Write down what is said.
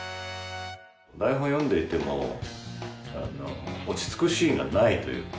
台本読んでいても落ち着くシーンがないというか。